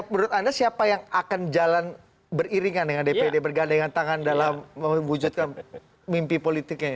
menurut anda siapa yang akan jalan beriringan dengan dpd bergandengan tangan dalam mewujudkan mimpi politiknya